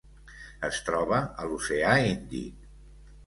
Es troba a l'Oceà Índic: